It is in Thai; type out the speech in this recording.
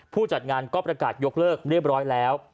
จัดงานก็ประกาศยกเลิกเรียบร้อยแล้ว